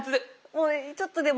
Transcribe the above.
もうちょっとでも。